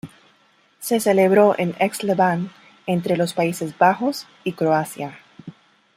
Se celebró en Aix-les-Bains entre los Países Bajos y Croacia.